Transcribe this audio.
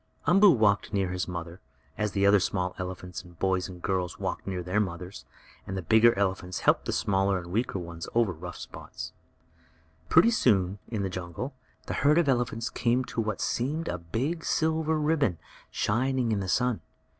Umboo walked near his mother, as the other small elephant boys and girls walked near their mothers, and the bigger elephants helped the smaller and weaker ones over the rough places. Pretty soon, in the jungle, the herd of elephants came to what seemed a big silver ribbon, shining in the sun.